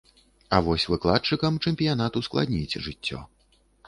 А вось выкладчыкам чэмпіянат ускладніць жыццё.